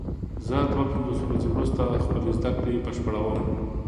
زه دوه پنځوس ورځې وروسته خپلې زده کړې بشپړوم.